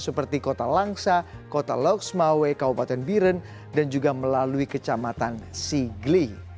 seperti kota langsa kota loksmawe kabupaten biren dan juga melalui kecamatan sigli